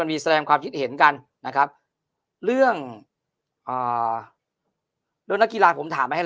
มันมีแสดงความคิดเห็นกันนะครับเรื่องนักกีฬาผมถามให้